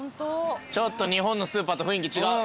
ちょっと日本のスーパーと雰囲気違う。